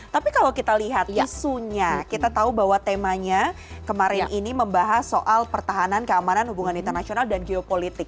tapi kalau kita lihat isunya kita tahu bahwa temanya kemarin ini membahas soal pertahanan keamanan hubungan internasional dan geopolitik